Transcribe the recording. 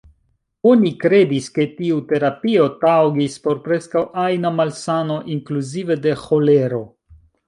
Oni kredis ke tiu terapio taŭgis por preskaŭ ajna malsano inkluzive de ĥolero.